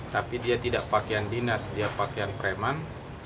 tapi dia tidak pakaian dinas dia pakaian preman